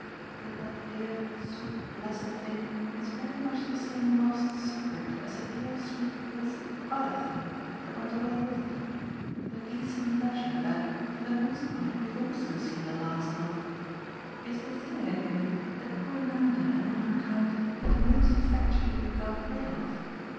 But that dear sweet blessed thing is very much the same lost secret as the dear sweet blessed OTHER thing that went away with it the decent leisure that, for the most part, we've also seen the last of. It's the thing at any rate that poor Nanda and all her kind have most effectually got rid of.